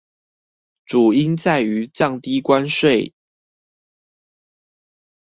主因在於降低關稅